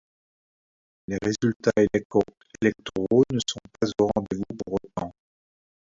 Les résultats électoraux ne sont pas au rendez-vous pour autant.